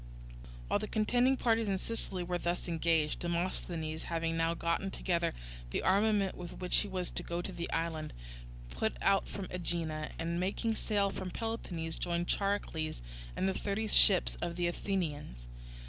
While the contending parties in Sicily were thus engaged, Demosthenes, having now got together the armament with which he was to go to the island, put out from Aegina, and making sail for Peloponnese, joined Charicles and the thirty ships of the Athenians.